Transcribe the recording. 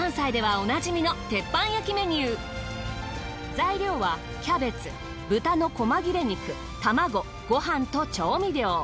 材料はキャベツ豚の細切れ肉卵ご飯と調味料。